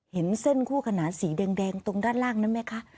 เห็นเส้นคู่ขนานสีแดงตรงด้านล่างนั้นไหมคะ